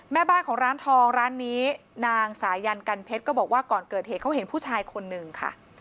แม่บ้านของร้านทองร้านนี้นางสายันกันเพชรก็บอกว่าก่อนเกิดเหตุเขาเห็นผู้ชายคนหนึ่งค่ะ